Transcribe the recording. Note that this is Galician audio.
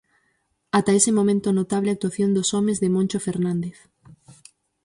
Ata ese momento notable actuación dos homes de Moncho Fernández.